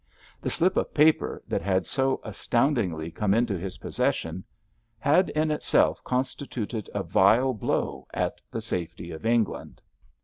The slip of paper that had so astoundingly come into his possession had in itself constituted a vile blow at the safety of England.